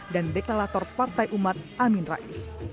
dan deklalator partai umat amin rais